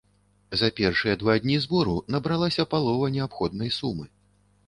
За першыя два дні збору набралася палова неабходнай сумы.